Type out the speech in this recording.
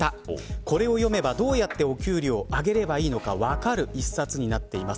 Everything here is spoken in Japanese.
これを読めば、どうやってお給料を上げればいいのか分かる１冊になっています。